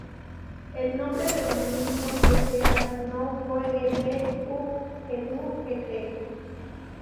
El nombre de dominio que se asignó fue el de uvg.edu.gt.